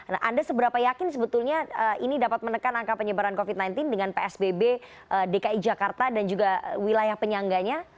nah anda seberapa yakin sebetulnya ini dapat menekan angka penyebaran covid sembilan belas dengan psbb dki jakarta dan juga wilayah penyangganya